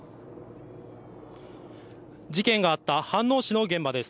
事件があった飯能市の現場です。